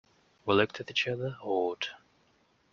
We looked at each other, awed.